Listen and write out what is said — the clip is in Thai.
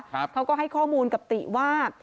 เขาก็ให้ข้อมูลกับติว่า